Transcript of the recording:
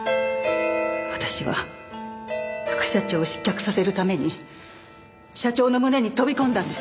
私は副社長を失脚させるために社長の胸に飛び込んだんです。